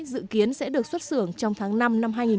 dự kiến sẽ được xuất xưởng trong tháng năm năm hai nghìn một mươi tám